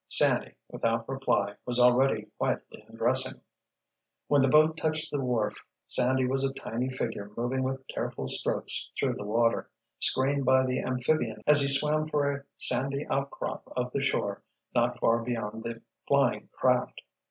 Sandy, without reply, was already quietly undressing. When the boat touched the wharf Sandy was a tiny figure moving with careful strokes through the water, screened by the amphibian as he swam for a sandy outcrop of the shore not far beyond the flying craft.